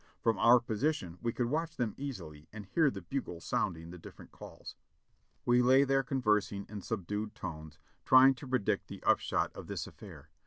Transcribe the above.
From our position we could watch them easily and hear the bugle sounding the different calls. We lay there conversing in subdued tones, trying to predict the upshot of this affair.